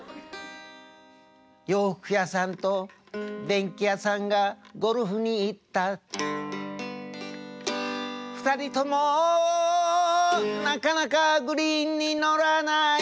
洋服屋さんと電気屋さんがゴルフに行った２人ともなかなかグリーンにのらない